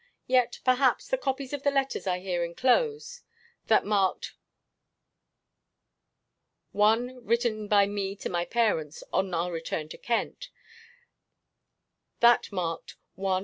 Yet, perhaps, the copies of the letters I here inclose (that marked [I.] written by me to my parents, on our return to Kent; that marked [II.